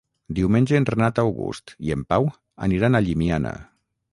Diumenge en Renat August i en Pau aniran a Llimiana.